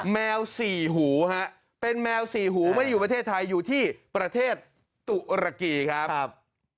แมวสี่หูฮะเป็นแมวสี่หูไม่ได้อยู่ประเทศไทยอยู่ที่ประเทศตุรกีครับ